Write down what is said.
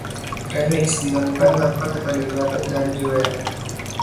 Remix dilakukan tanpa keterlibatan dari Joel.